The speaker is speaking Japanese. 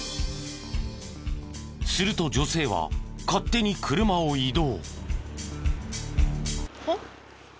すると女性は勝手に車を移動。